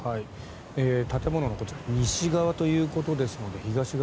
建物の西側ということですので東側